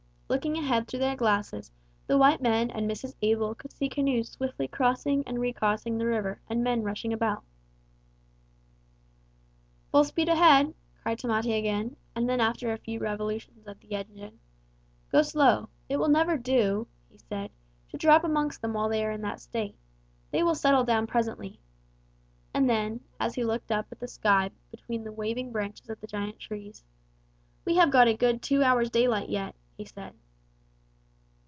Looking ahead through their glasses, the white men and Mrs. Abel could see canoes swiftly crossing and re crossing the river and men rushing about. "Full speed ahead," cried Tamate again, and then after a few revolutions of the engine, "Go slow. It will never do," he said, "to drop amongst them while they are in that state. They will settle down presently." And then, as he looked up at the sky between the waving branches of the giant trees, "we have got a good two hours' daylight yet," he said.